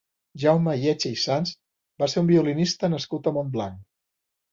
Jaume Llecha i Sans va ser un violinista nascut a Montblanc.